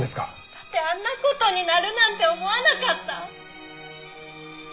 だってあんな事になるなんて思わなかった！